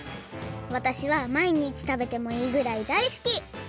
わたしはまいにちたべてもいいぐらいだいすき！